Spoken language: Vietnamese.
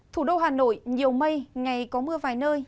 thủ đô hà nội nhiều mây ngày có mưa vài nơi